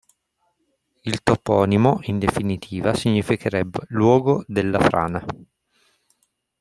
Il toponimo, in definitiva significherebbe “luogo della frana”.